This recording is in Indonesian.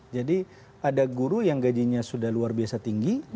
jadi ada guru yang gajinya sudah luar biasa tinggi